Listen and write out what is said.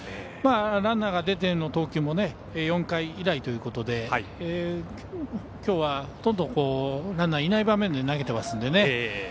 ランナーが出ての投球も４回以来ということできょうは、ほとんどランナーいない場面で投げてますから。